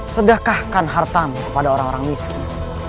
sedekahkan hartamu kepada orang orang miskin